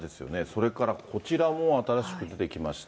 それからこちらも新しく出てきました。